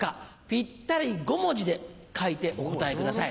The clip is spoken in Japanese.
ぴったり５文字で書いてお答えください。